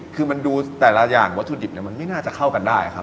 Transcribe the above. คือมันดูแต่ละอย่างวัตถุดิบมันไม่น่าจะเข้ากันได้ครับ